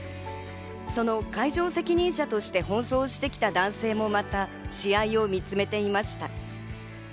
その会場責任者として奔走してきた男性もまた、試合を見つめていました。